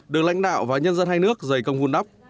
được lãnh đạo và nhân dân hai nước dày công vun đắp